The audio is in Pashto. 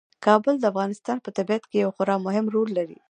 کابل د افغانستان په طبیعت کې یو خورا مهم رول لري.